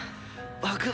爆弾